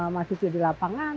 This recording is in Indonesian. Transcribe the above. masuk ke di lapangan